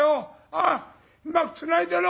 ああうまくつないでろ。